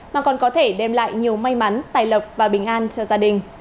mà còn có thể đem lại nhiều may mắn tài lộc và bình an cho gia đình